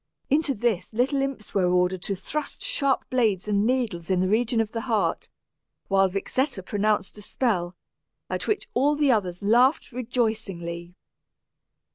Into this little imps were ordered to thrust sharp blades and needles in the region of the heart, while Vixetta pronounced a spell, at which all the others laughed rejoicingly.